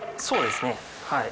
そうですね。